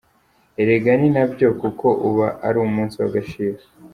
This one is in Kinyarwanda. Erega ni nabyo kuko uba ari umunsi w’agaciro’.